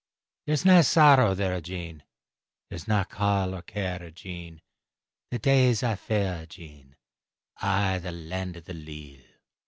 There's nae sorrow there, Jean, There's nae caul or care, Jean, The days aye fair, Jean, I' the Land of the Leal.